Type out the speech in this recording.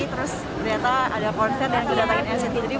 terus ternyata ada konser dan kedatangan nct dream